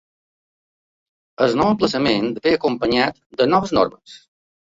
El nou emplaçament ve acompanyat de noves normes.